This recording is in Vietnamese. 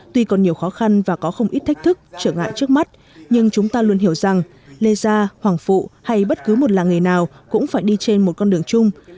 tuy còn nhiều khó khăn và có không ít thách thức trở ngại trước mắt nhưng chúng ta luôn hiểu rằng lê gia hoàng phụ hay bất cứ một làng nghề nào cũng phải đi trên một con đường chung